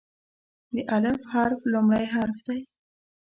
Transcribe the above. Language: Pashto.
د "الف" حرف لومړی حرف دی.